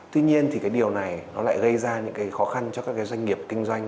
tuy nhiên thì cái điều này nó lại gây ra những cái khó khăn cho các cái doanh nghiệp kinh doanh